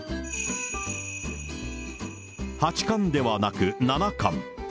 ８貫ではなく７貫。